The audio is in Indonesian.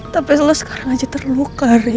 tapi lo sekarang aja terluka